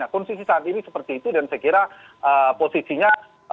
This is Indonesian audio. kondisi saat ini seperti itu dan saya kira posisinya